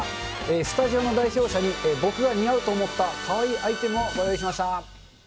スタジオの代表者に、僕が似合うと思ったかわいいアイテムを紹介しました。